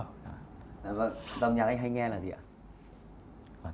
dòng nhạc anh hay nghe là gì ạ